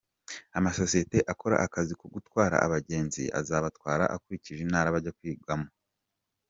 Amasosiyete akora akazi ko gutwara abagenzi azabatwara akurikije Intara bajya kwigamo.